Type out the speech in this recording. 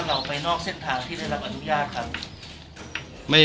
เราไปนอกเส้นทางที่ได้รับอนุญาตครับ